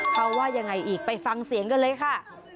เขาว่ายังไงอีกไปฟังเสียงกันเลยค่ะ